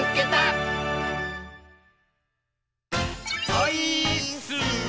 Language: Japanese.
オイーッス！